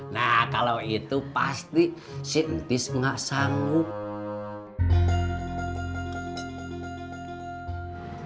nah kalau itu pasti sintis nggak sanggup